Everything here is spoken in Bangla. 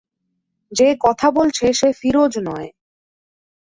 যে কথা বলছে, সে ফিরোজ নয়।